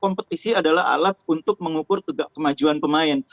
kompetisi adalah alat untuk mengukur kemajuan pemain